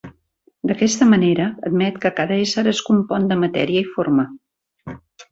D'aquesta manera, admet que cada ésser es compon de matèria i forma.